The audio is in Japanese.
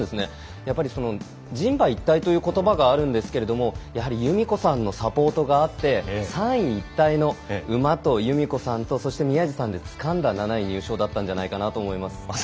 やはり人馬一体ということばがあるんですがやはり裕美子さんのサポートがあって三位一体の馬と裕美子さんとそして宮路さんでつかんだ７位入賞だと思いました。